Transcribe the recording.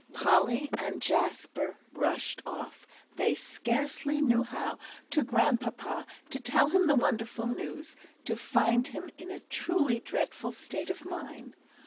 Polly and Jasper rushed off, they scarcely knew how, to Grandpapa, to tell him the wonderful news, to find him in a truly dreadful state of mind.